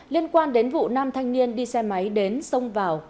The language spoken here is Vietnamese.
liên quan đến vụ năm thanh niên đi xe máy đến sông vào